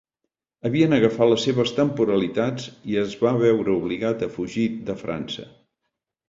Havien agafat les seves temporalitats i es va veure obligat a fugir de França.